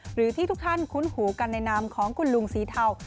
หรือที่ทุกท่านคุ้นหูกันในนามของคุณลุงสีเทา